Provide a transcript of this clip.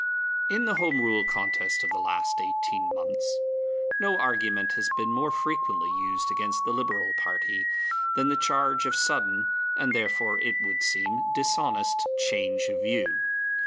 In the Home Rule contest of the last eighteen months no argument has been more frequently used against the Liberal party than the charge of sudden, and therefore, it would seem, dishonest change of view.